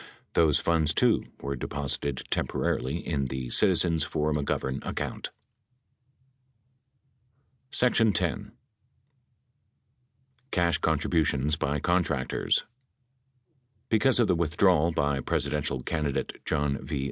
Those funds, too, were deposited temporarily in the Citizens for McGovern account. X. CASH CONTRIBUTIONS BY CONTRACTORS Because of the withdrawal by Presidential candidate John V.